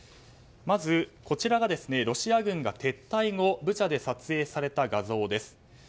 まず、こちらがロシア軍が撤退後ブチャで撮影された画像です。